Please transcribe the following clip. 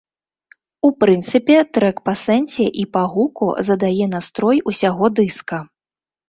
У прынцыпе, трэк па сэнсе і па гуку задае настрой усяго дыска.